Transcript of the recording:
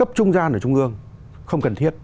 cấp trung gian ở trung ương không cần thiết